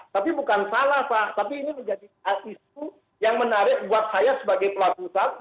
tapi bukan salah pak tapi ini menjadi isu yang menarik buat saya sebagai pelaku usaha